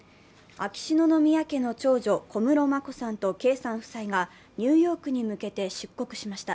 秋篠宮家の長女、小室眞子さんと圭さん夫妻がニューヨークに向けて出国しました。